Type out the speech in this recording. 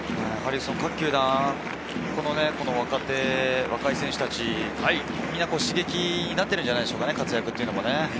各球団、若い選手達、みんな刺激になっているんじゃないでしょうか、活躍というのも。